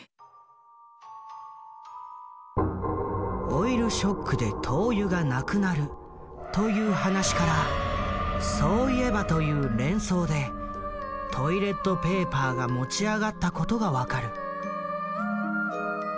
「オイルショックで灯油がなくなる」という話から「そういえば」という連想でトイレットペーパーが持ち上がったことが分かる。